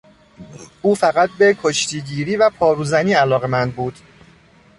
او فقط به کشتیگیری و پاروزنی علاقمند بود.